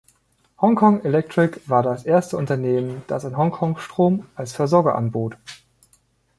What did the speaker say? Hongkong Electric war das erste Unternehmen, das in Hongkong Strom als Versorger anbot.